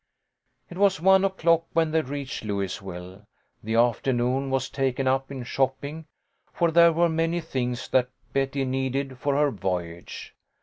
It was one o clock when they reached Louisville. The afternoon was taken up in shopping, for there were many things that Betty needed for her voyage.